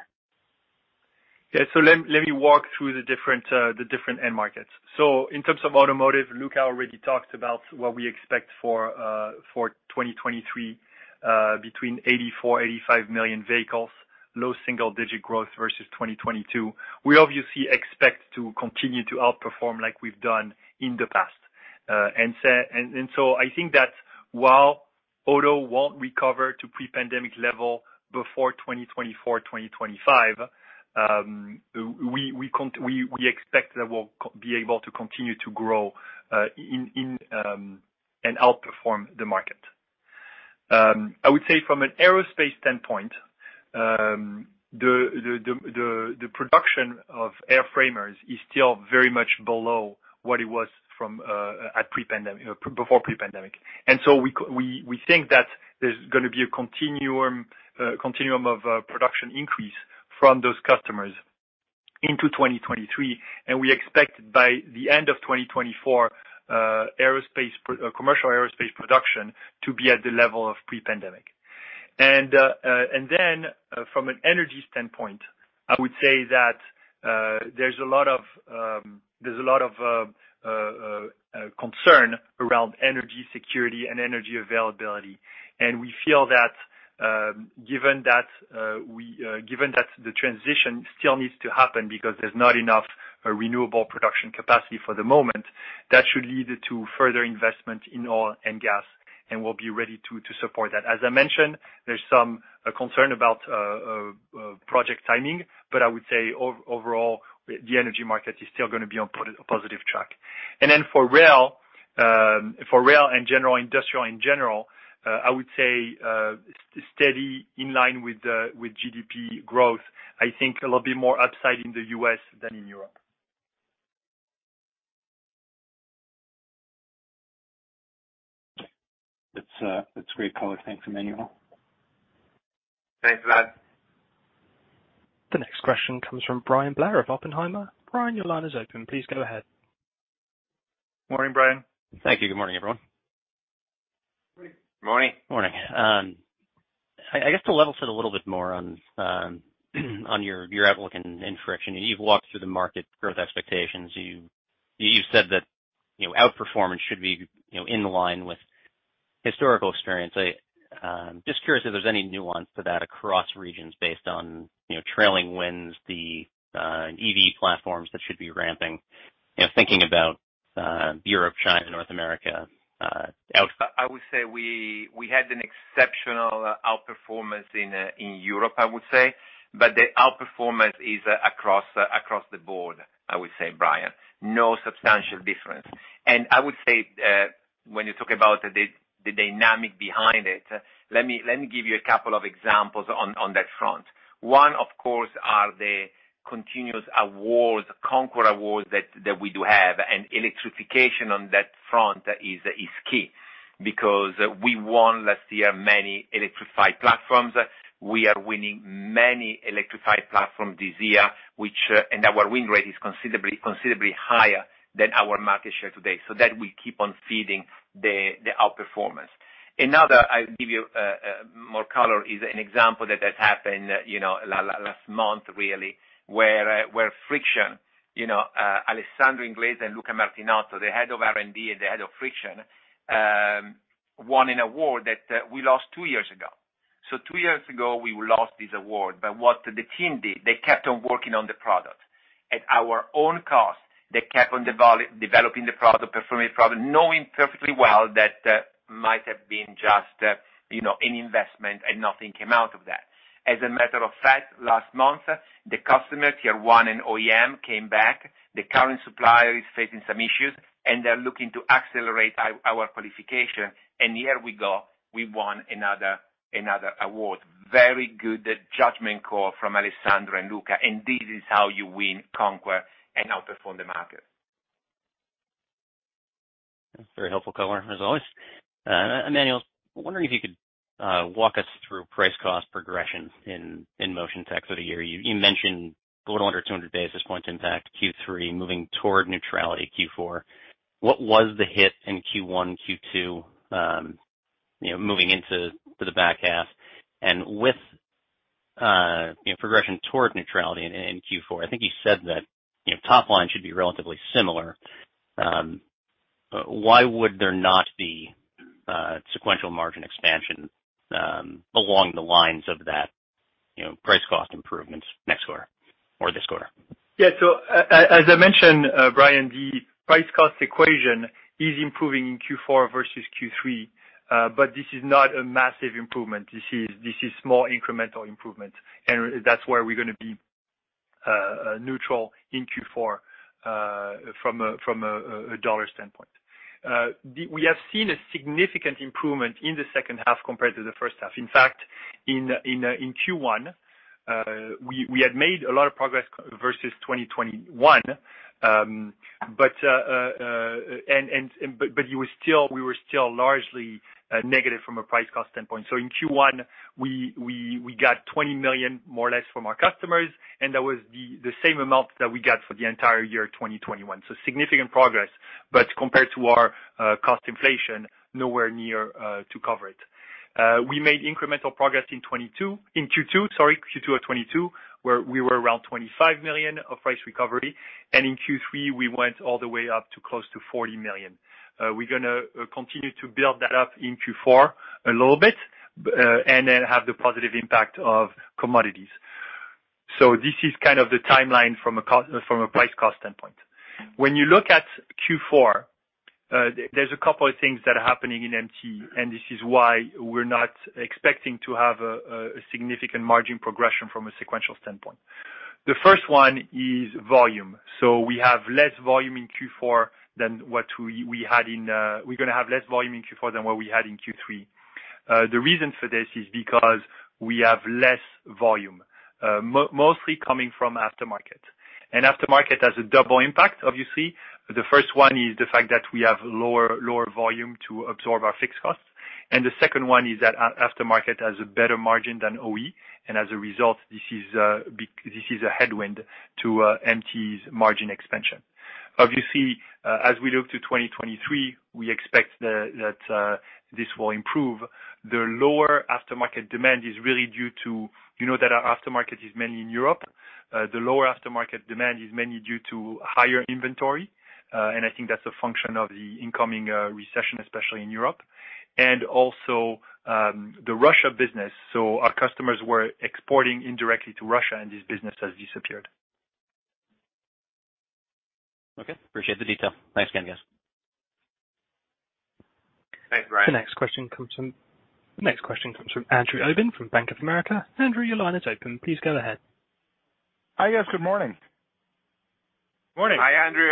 Let me walk through the different end markets. In terms of automotive, Luca already talked about what we expect for 2023, between 84-85 million vehicles, low single-digit growth versus 2022. We obviously expect to continue to outperform like we've done in the past. I think that while auto won't recover to pre-pandemic level before 2024, 2025, we expect that we'll be able to continue to grow, and outperform the market. I would say from an aerospace standpoint, the production of airframers is still very much below what it was pre-pandemic. We think that there's gonna be a continuum of production increase from those customers into 2023, and we expect by the end of 2024, commercial aerospace production to be at the level of pre-pandemic. From an energy standpoint, I would say that there's a lot of, concern around energy security and energy availability. We feel that, given that the transition still needs to happen because there's not enough renewable production capacity for the moment, that should lead to further investment in oil and gas, and we'll be ready to support that. As I mentioned, there's some concern about project timing, but I would say overall, the energy market is still gonna be on a positive track. For rail and general industrial in general, I would say steady in line with GDP growth. I think a little bit more upside in the U.S. than in Europe. That's great color. Thanks, Emmanuel. Thanks, Vlad. The next question comes from Bryan Blair of Oppenheimer. Bryan, your line is open. Please go ahead. Morning, Bryan. Thank you. Good morning, everyone. Morning. Morning. Morning. I guess to level set a little bit more on your outlook and friction. You've walked through the market growth expectations. You said that, you know, outperformance should be, you know, in line with historical experience. I'm just curious if there's any nuance to that across regions based on, you know, tailwinds, the EV platforms that should be ramping. You know, thinking about Europe, China, North America. I would say we had an exceptional outperformance in Europe, I would say. The outperformance is across the board, I would say, Bryan. No substantial difference. I would say, when you talk about the dynamic behind it, let me give you a couple of examples on that front. One, of course, are the continuous awards, conquest awards that we do have, and electrification on that front is key. Because we won last year many electrified platforms. We are winning many electrified platforms this year, which, and our win rate is considerably higher than our market share today. That will keep on feeding the outperformance. I'll give you more color, is an example that has happened, you know, last month really, where Friction, you know, Alessandro Inglese and Luca Martinotto, the head of R&D and the head of Friction, won an award that we lost two years ago. Two years ago, we lost this award. What the team did, they kept on working on the product. At our own cost, they kept on developing the product, performing the product, knowing perfectly well that might have been just, you know, an investment and nothing came out of that. As a matter of fact, last month, the customer, Tier one and OEM came back. The current supplier is facing some issues, and they're looking to accelerate our qualification. Here we go, we won another award. Very good judgment call from Alessandro and Luca. This is how you win, conquer, and outperform the market. Very helpful color, as always. Emmanuel, wondering if you could walk us through price cost progressions in Motion Tech for the year. You mentioned a little under 200 basis points impact Q3, moving toward neutrality Q4. What was the hit in Q1, Q2, you know, moving into the back half? With, you know, progression toward neutrality in Q4, I think you said that, you know, top line should be relatively similar. Why would there not be sequential margin expansion along the lines of that, you know, price cost improvements next quarter or this quarter? As I mentioned, Bryan, the price cost equation is improving in Q4 versus Q3. This is not a massive improvement. This is more incremental improvement, and that's where we're gonna be neutral in Q4 from a dollar standpoint. We have seen a significant improvement in the second half compared to the first half. In fact, in Q1 we had made a lot of progress versus 2021. We were still largely negative from a price cost standpoint. In Q1 we got $20 million, more or less, from our customers, and that was the same amount that we got for the entire year 2021. Significant progress, but compared to our cost inflation, nowhere near to cover it. We made incremental progress in Q2 of 2022, sorry, Q2 of 2022, where we were around $25 million of price recovery. In Q3, we went all the way up to close to $40 million. We're gonna continue to build that up in Q4 a little bit, and then have the positive impact of commodities. This is kind of the timeline from a price cost standpoint. When you look at Q4, there's a couple of things that are happening in MT, and this is why we're not expecting to have a significant margin progression from a sequential standpoint. The first one is volume. We have less volume in Q4 than what we had in Q3. The reason for this is because we have less volume, mostly coming from aftermarket. Aftermarket has a double impact, obviously. The first one is the fact that we have lower volume to absorb our fixed costs. The second one is that aftermarket has a better margin than OE, and as a result, this is a headwind to MT's margin expansion. Obviously, as we look to 2023, we expect that this will improve. The lower aftermarket demand is really due to, you know, that our aftermarket is mainly in Europe. The lower aftermarket demand is mainly due to higher inventory, and I think that's a function of the incoming recession, especially in Europe. The Russia business. Our customers were exporting indirectly to Russia, and this business has disappeared. Okay. Appreciate the detail. Thanks again, guys. Thanks, Bryan. The next question comes from Andrew Obin from Bank of America. Andrew, your line is open. Please go ahead. Hi, guys. Good morning. Morning. Hi, Andrew.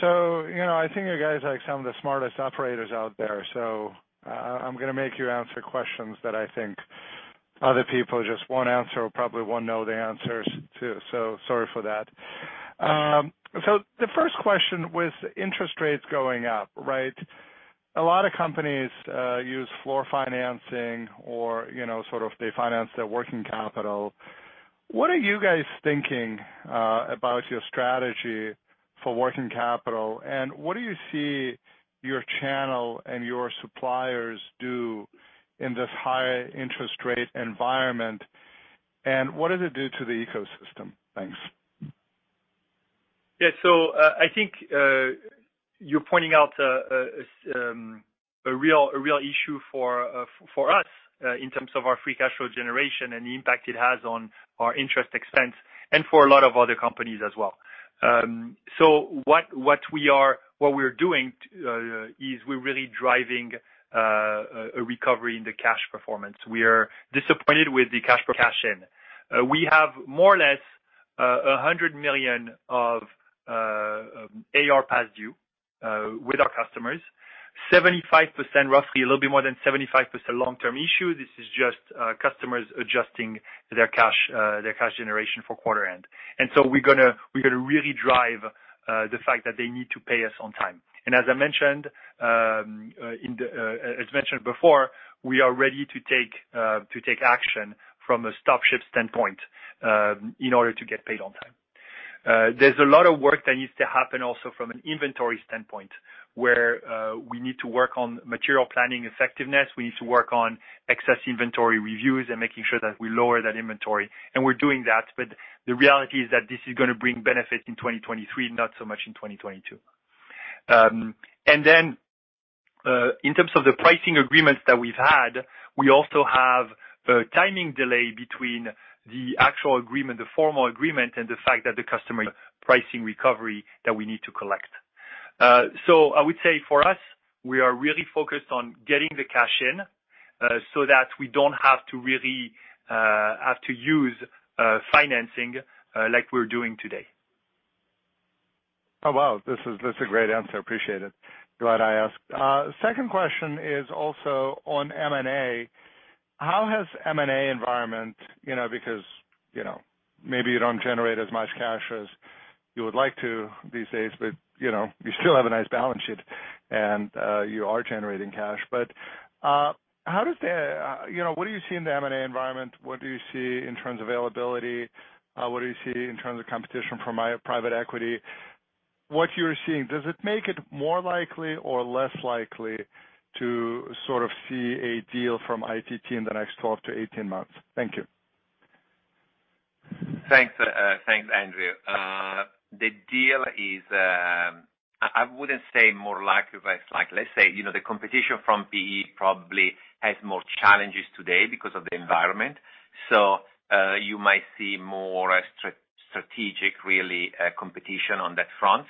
You know, I think you guys are like some of the smartest operators out there. I'm gonna make you answer questions that I think other people just won't answer or probably won't know the answers to. Sorry for that. The first question, with interest rates going up, right, a lot of companies use floor plan financing or, you know, sort of they finance their working capital. What are you guys thinking about your strategy for working capital? And what do you see your channel and your suppliers do in this high interest rate environment? And what does it do to the ecosystem? Thanks. I think you're pointing out a real issue for us, in terms of our free cash flow generation and the impact it has on our interest expense and for a lot of other companies as well. What we're doing is we're really driving a recovery in the cash performance. We are disappointed with the cash per cash in. We have more or less $100 million of AR past due with our customers. 75%, roughly a little bit more than 75% long-term issue. This is just customers adjusting their cash generation for quarter end. We're gonna really drive the fact that they need to pay us on time. As mentioned before, we are ready to take action from a stop ship standpoint, in order to get paid on time. There's a lot of work that needs to happen also from an inventory standpoint, where we need to work on material planning effectiveness. We need to work on excess inventory reviews and making sure that we lower that inventory, and we're doing that. The reality is that this is gonna bring benefits in 2023, not so much in 2022. In terms of the pricing agreements that we've had, we also have a timing delay between the actual agreement, the formal agreement, and the fact that the customer pricing recovery that we need to collect. I would say for us, we are really focused on getting the cash in, so that we don't have to really use financing like we're doing today. Oh, wow. This is a great answer. Appreciate it. Glad I asked. Second question is also on M&A. How has M&A environment, you know, because, you know, maybe you don't generate as much cash as you would like to these days, but, you know, you still have a nice balance sheet and, you are generating cash. How does the, you know, what do you see in the M&A environment? What do you see in terms of availability? What do you see in terms of competition from private equity? What you're seeing, does it make it more likely or less likely to sort of see a deal from ITT in the next twelve to eighteen months? Thank you. Thanks. Thanks, Andrew. The deal is, I wouldn't say more likely, but it's like, let's say, you know, the competition from PE probably, has more challenges today because of the environment. You might see more strategic, really, competition on that front.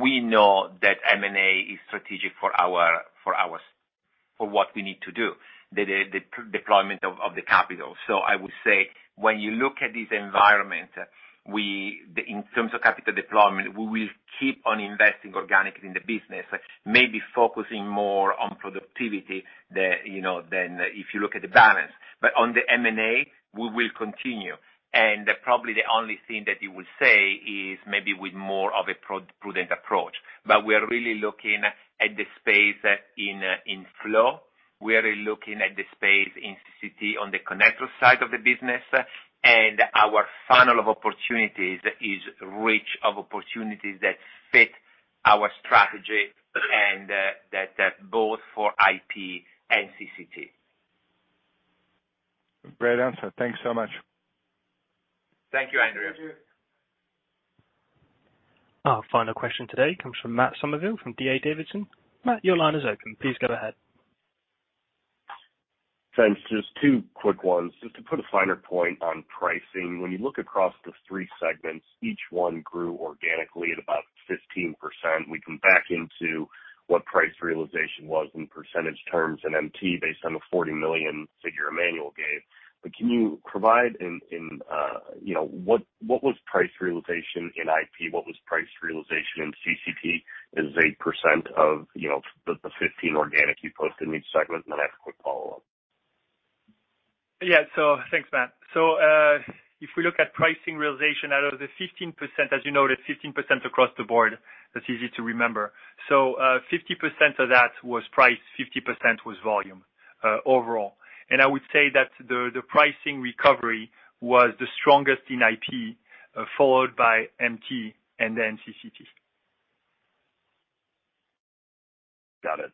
We know that M&A is strategic for our, for what we need to do, the deployment of the capital. I would say when you look at this environment, in terms of capital deployment, we will keep on investing organically in the business, maybe focusing more on productivity, you know, than if you look at the balance. On the M&A, we will continue. Probably the only thing that you would say is maybe with more of a prudent approach. We are really looking at the space in flow. We are looking at the space in CCT on the connector side of the business. Our funnel of opportunities is rich of opportunities that fit our strategy and that both for IP and CCT. Great answer. Thanks so much. Thank you, Andrew. Thank you. Our final question today comes from Matt Summerville from D.A. Davidson. Matt, your line is open. Please go ahead. Thanks. Just two quick ones. Just to put a finer point on pricing. When you look across the three segments, each one grew organically at about 15%. We can back into what price realization was in percentage terms in MT, based on the $40 million figure Emmanuel gave. Can you provide, you know, what was price realization in IP? What was price realization in CCT as a percent of, you know, the 15% organic you posted in each segment? I have a quick follow-up. Yeah. Thanks, Matt. If we look at pricing realization out of the 15%, as you noted, 15% across the board, that's easy to remember. 50% of that was price, 50% was volume, overall. I would say that the pricing recovery was the strongest in IP, followed by MT and then CCT. Got it.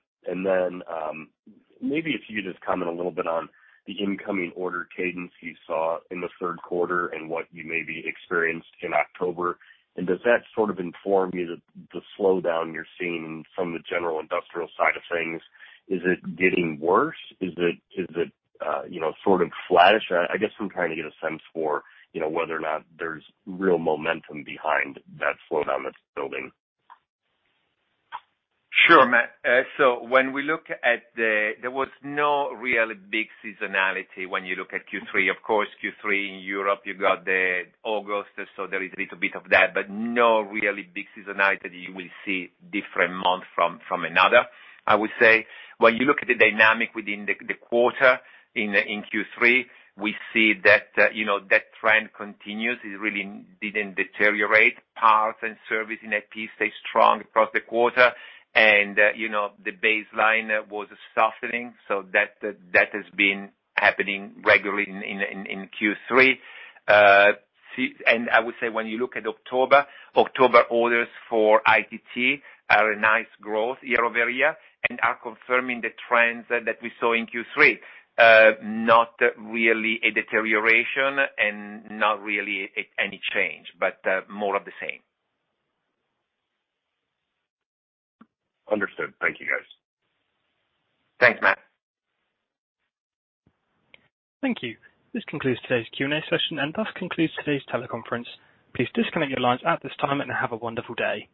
Maybe if you just comment a little bit on the incoming order cadence you saw in the third quarter, and what you maybe experienced in October. Does that sort of inform you that the slowdown you're seeing from the general industrial side of things, is it getting worse? Is it, you know, sort of flattish? I guess I'm trying to get a sense for, you know, whether or not there's real momentum behind that slowdown that's building. Sure, Matt. So when we look at the, there was no really big seasonality when you look at Q3. Of course, Q3 in Europe, you got the August, so there is a little bit of that, but no really big seasonality you will see different month from another. I would say when you look at the dynamic within the quarter in Q3, we see that, you know, that trend continues. It really didn't deteriorate. Parts and service in IP stayed strong across the quarter and, you know, the baseline was softening. So that has been happening regularly in Q3. And I would say when you look at October orders for ITT are a nice growth year-over-year and are confirming the trends that we saw in Q3. Not really a deterioration and not really any change, but more of the same. Understood. Thank you, guys. Thanks, Matt. Thank you. This concludes today's Q&A session and thus concludes today's teleconference. Please disconnect your lines at this time and have a wonderful day.